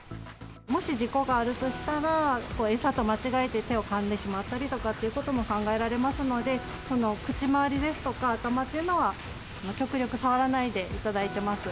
もし事故があるとしたら、餌と間違えて手をかんでしまったりとかっていうことも考えられますので、口周りですとか、頭というのは、極力触らないでいただいています。